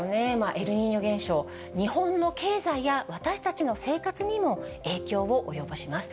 エルニーニョ現象、日本の経済や私たちの生活にも影響を及ぼします。